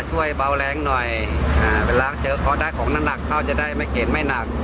ช่วยเบาแรงหน่อยอ่าเวลาเจอของนั่นหนักเขาจะได้ไม่เกร็นไม่หนัก